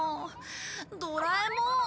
ドラえもん。